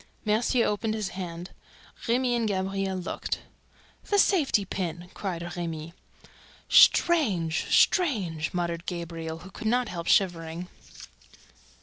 Mercier opened his hand; Remy and Gabriel looked. "The safety pin!" cried Remy. "Strange! Strange!" muttered Gabriel, who could not help shivering.